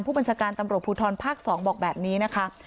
ผู้บัญชาการตำรวจภูทรภาค๒บอกแบบนี้นะคะ